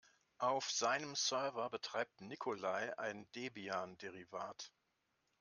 Auf seinem Server betreibt Nikolai ein Debian-Derivat.